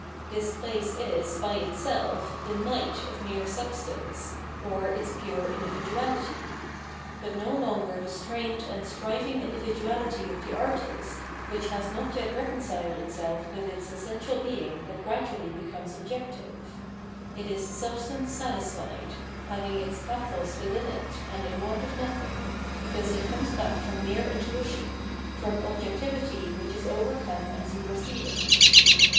This place is, by itself, the night of mere " substance," or its pure individuahty; but no longer the strained and striving individuality of the artist, which has not yet reconciled itself with its essential Being that gradually becomes objective; it is substance satisfied, having its "pathos" within it and in want of nothing, because it comes back from mere intuition, from objectivity which is overcome and superseded.